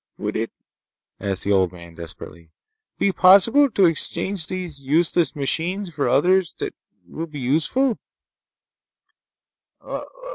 "Would it," asked the old man desperately, "be possible to exchange these useless machines for others that will be useful?"